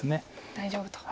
大丈夫と。